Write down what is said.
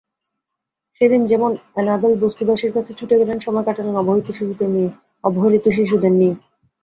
সেদিন যেমন অ্যানাবেল বস্তিবাসীর কাছে ছুটে গেলেন, সময় কাটালেন অবহেলিত শিশুদের নিয়ে।